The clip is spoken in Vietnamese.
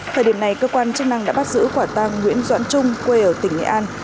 thời điểm này cơ quan chức năng đã bắt giữ quả tăng nguyễn doãn trung quê ở tỉnh nghệ an